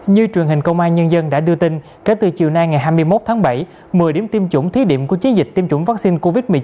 như truyền hình công an nhân dân đã đưa tin kể từ chiều nay ngày hai mươi một tháng bảy một mươi điểm tiêm chủng thí điểm của chiến dịch tiêm chủng vaccine covid một mươi chín